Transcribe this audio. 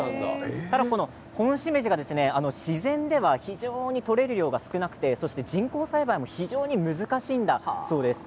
ホンシメジが自然では非常に採れる量が少なくて人工栽培も非常に難しいそうなんです。